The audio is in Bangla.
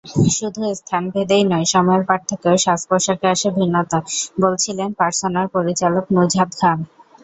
শুধু স্থানভেদেই নয়, সময়ের পার্থক্যেও সাজপোশাকে আসে ভিন্নতা—বলছিলেন পারসোনার পরিচালক নুজহাত খান।